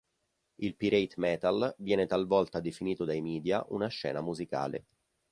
Il pirate metal viene talvolta definito dai media una scena musicale.